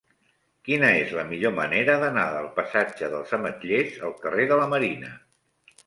Quina és la millor manera d'anar del passatge dels Ametllers al carrer de la Marina?